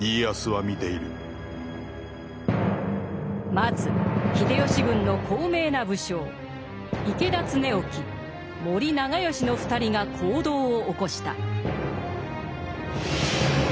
まず秀吉軍の高名な武将池田恒興森長可の２人が行動を起こした。